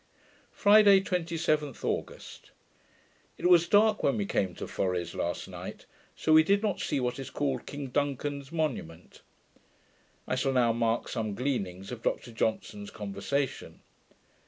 Friday, 27th August It was dark when we came to Fores last night; so we did not see what is called King Duncan's monument. I shall now mark some gleanings of Dr Johnson's conversation.